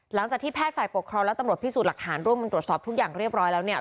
หลังจากที่แพทย์ฝ่ายปกครองและตำรวจพิสูจน์หลักฐานร่วมกันตรวจสอบทุกอย่างเรียบร้อยแล้วเนี่ย